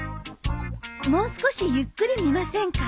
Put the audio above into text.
もう少しゆっくり見ませんか？